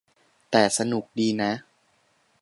แต่สนุกดีนะ